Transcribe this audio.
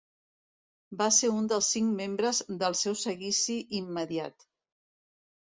Va ser un dels cinc membres del seu seguici immediat.